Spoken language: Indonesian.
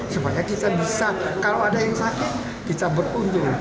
supaya kita bisa kalau ada yang sakit kita beruntung